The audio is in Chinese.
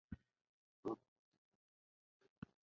她的性格一般被认为是积极的。